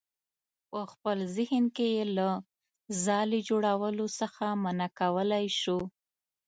په خپل ذهن کې یې له ځالې جوړولو څخه منع کولی شو.